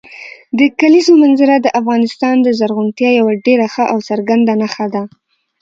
د کلیزو منظره د افغانستان د زرغونتیا یوه ډېره ښه او څرګنده نښه ده.